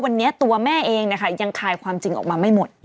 วันนี้ตัวแม่เองนะคะยังคลายความจริงออกมาไม่หมด